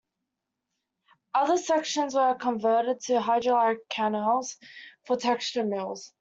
Other sections were converted to hydraulic canals for textile mills.